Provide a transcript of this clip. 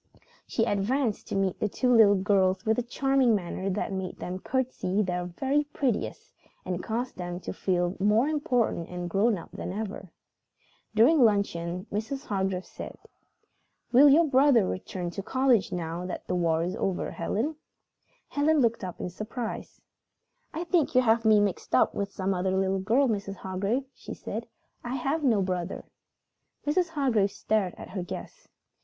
She advanced to meet the two little girls with a charming manner that made them curtsey their very prettiest and caused them to feel more important and grown up than ever. During luncheon Mrs. Hargrave said: "Will your brother return to college now that the war is over, Helen?" Helen looked up in surprise. "I think you have me mixed up with some other little girl, Mrs. Hargrave," she said. "I have no brother." Mrs. Hargrave stared at her guest.